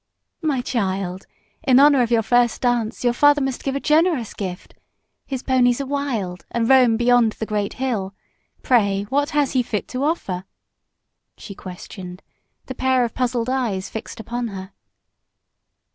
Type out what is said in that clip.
"My child, in honor of your first dance your father must give a generous gift. His ponies are wild, and roam beyond the great hill. Pray, what has he fit to offer?" she questioned, the pair of puzzled eyes fixed upon her.